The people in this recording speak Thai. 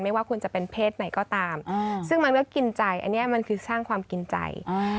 ว่าคุณจะเป็นเพศไหนก็ตามซึ่งมันก็กินใจอันนี้มันคือสร้างความกินใจ